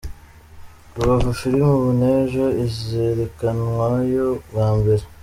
Rubavu Filimi “Ubu n’ejo” izerekanwayo bwa mbere